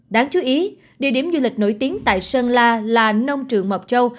đáng chú ý địa điểm du lịch nổi tiếng tại sơn la là nông trường mộc châu